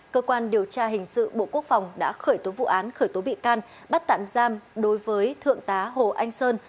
cơ quan điều tra hình sự bộ quốc phòng đã khởi tố vụ án khởi tố bị can bắt tạm giam đối với thượng tá hồ anh sơn